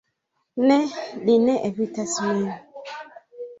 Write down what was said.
Ne, li ne evitas min.